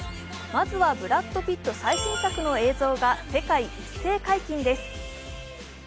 まずはブラッド・ピッド最新作の映像が世界一斉解禁です。